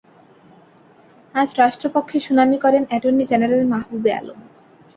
আজ রাষ্ট্রপক্ষে শুনানি করেন অ্যাটর্নি জেনারেল মাহবুবে আলম।